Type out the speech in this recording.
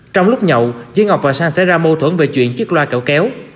trong lúc nhậu dưới ngọc và sang xảy ra mâu thuẫn về chuyện chiếc loa kẹo kéo